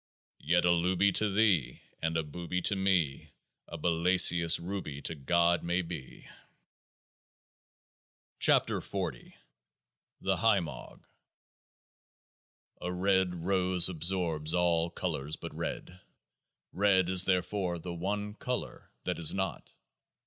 Yet a Looby to thee, and a Booby to me, a Balassius Ruby to GOD, may be ! 50 KEOAAH M THE HIMOG 19 A red rose absorbs all colours but red ; red is therefore the one colour that it is not.